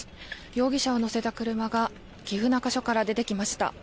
容疑者を乗せた車が岐阜中署から出てきました。